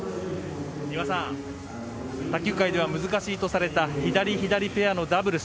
丹羽さん、卓球界では難しいとされた左・左ペアのダブルス。